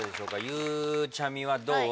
ゆうちゃみはどう？